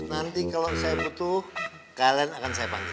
nanti kalau saya butuh kalian akan saya panggil